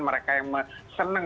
mereka yang senang